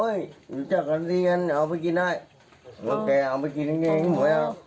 อยู่แก่แสงการกันเอาไปกินได้เราแก่เอาไปกินเนี่ยนี่ไหม